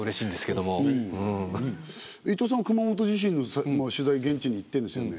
伊藤さんは熊本地震の取材現地に行ってるんですよね？